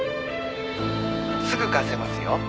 「すぐ貸せますよ。